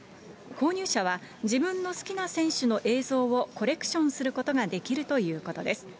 購入者は、自分の好きな選手の映像をコレクションすることができるということです。